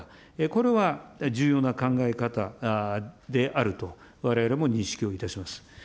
これは重要な考え方であるとわれわれも認識をいたします。